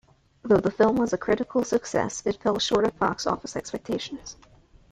Though the film was a critical success, it fell short of box office expectations.